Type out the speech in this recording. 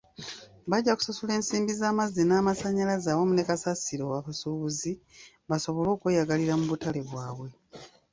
Bajja kusasula ensimbi z'amazzi n'amasannyalaze awamu ne Kasasiro abasuubuzi, basobole okweyagalira mu butale bwabwe.